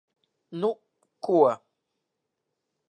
Nu ko...